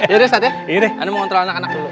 yaudah ustaz ya aku mau kontrol anak anak dulu